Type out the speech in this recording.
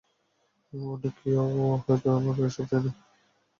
অন্য কেউ নেবে হয়তো, কিন্তুআমরা এসব চাই না।